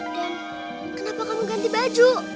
dan kenapa kamu ganti baju